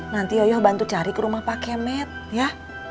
nanti yoyo bantu cari ke rumah pak kemet ya